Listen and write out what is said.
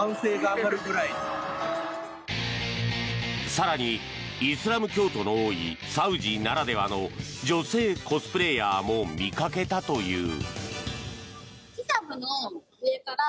更に、イスラム教徒の多いサウジならではの女性コスプレーヤーも見かけたという。